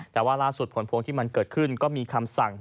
แต่ว่าล่าสุดผลพวงที่มันเกิดขึ้นก็มีคำสั่ง